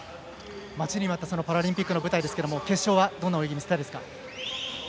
待ちに待ったパラリンピックの舞台ですが決勝はどんな泳ぎを見せたいですか？